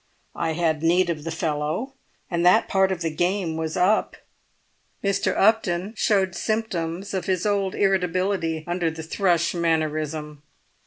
I had need of the fellow, and that part of the game was up." Mr. Upton showed symptoms of his old irritability under the Thrush mannerism.